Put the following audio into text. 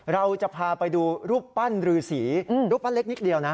เราจะพาไปดูรูปปั้นรือสีรูปปั้นเล็กนิดเดียวนะ